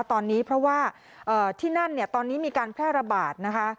ตอนนี้เพราะว่าที่นั่นเนี่ยตอนนี้มีการแพร่ระบาดนะคะ